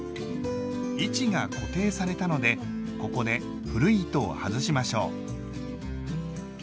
位置が固定されたのでここで古い糸を外しましょう。